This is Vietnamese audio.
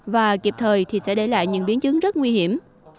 và kịp thời thì sẽ để lại những biến chứng rất nguy hiểm